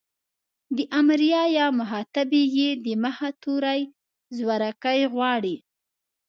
د امريه يا مخاطبې ئ د مخه توری زورکی غواړي.